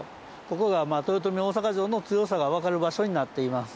ここが、豊臣大坂城の強さがわかる場所になっています。